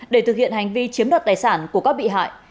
để thực hiện hành vi chiếm đoạt tài sản của các bị hại